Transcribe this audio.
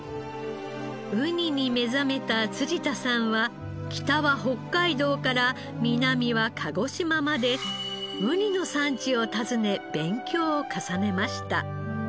ウニに目覚めた辻田さんは北は北海道から南は鹿児島までウニの産地を訪ね勉強を重ねました。